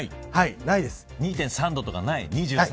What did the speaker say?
２．３度とかない。